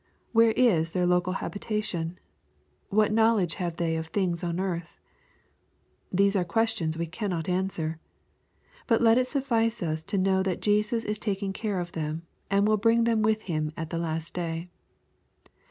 Where is their local habi tation ? What knowledge have they of things on earth ? These are questions we cannot answer. But let it suffice us to know that Jesus is jtaking care of them, and will bring them with Him ^ the last day.